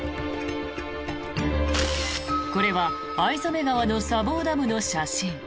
これは逢初川の砂防ダムの写真。